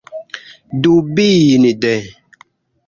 Dubinde.